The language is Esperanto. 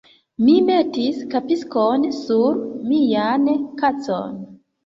Mi metis kapsikon sur mian kacon.